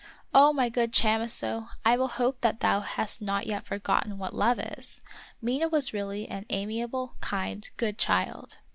Oh, my good Chamisso ! I will hope that thou hast not yet forgotten what love is! Mina was really an amiable, kind, good child.